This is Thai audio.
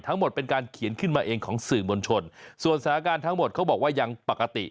ทั้งหมดเป็นการเขียนขึ้นมาเองของสื่อมวลชนส่วนสถานการณ์ทั้งหมดเขาบอกว่ายังปกติ